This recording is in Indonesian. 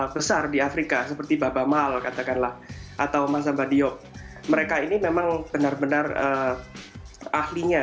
besar di afrika seperti baba mahal katakanlah atau masa badio mereka ini memang benar benar ahlinya